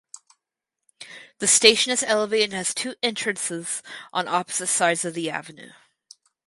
The station is elevated and has two entrances on opposite sides of the avenue.